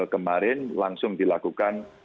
kemarin langsung dilakukan